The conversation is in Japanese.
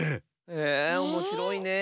えおもしろいねえ。